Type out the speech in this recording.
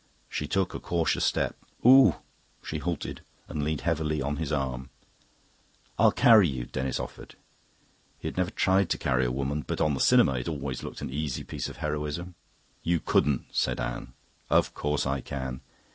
She took a cautious step. "Ooh!" She halted and leaned heavily on his arm. "I'll carry you," Denis offered. He had never tried to carry a woman, but on the cinema it always looked an easy piece of heroism. "You couldn't," said Anne. "Of course I can."